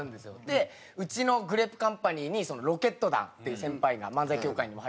でうちのグレープカンパニーにロケット団っていう先輩が漫才協会にも入ってるんですけど。